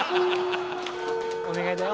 お願いだよ。